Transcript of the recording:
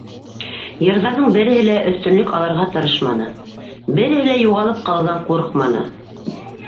Йырҙарҙың береһе лә өҫтөнлөк алырға тырышманы, береһе лә юғалып ҡалыуҙан ҡурҡманы.